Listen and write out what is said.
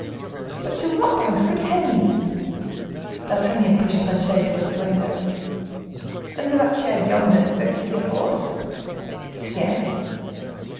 "But to what bags, good heavens!" D'Artagnan pushed Planchet towards the window. "Under that shed yonder, don't you see a horse?" "Yes."